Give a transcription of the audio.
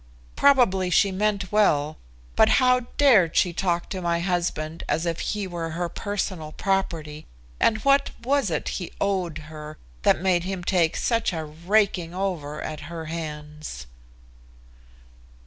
Probably she meant well, but how dared she talk to my husband as if he were her personal property, and what was it he "owed her" that made him take such a raking over at her hands?